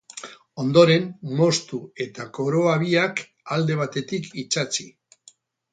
Ondoren, moztu eta koroa biak alde batetik itsatsi.